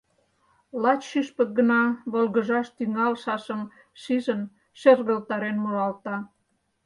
Лач шӱшпык гына волгыжаш тӱҥалшашым шижын шергылтарен муралта.